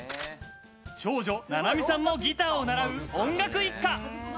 長女・菜々海さんもギターを習う音楽一家。